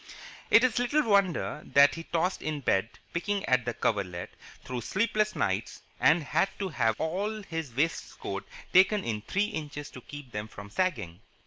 It is little wonder that he tossed in bed, picking at the coverlet, through sleepless nights, and had to have all his waistcoats taken in three inches to keep them from sagging.